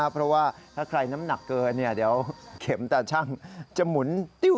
เพราะว่าถ้าใครน้ำหนักเกินเดี๋ยวเข็มตาชั่งจะหมุนติ้ว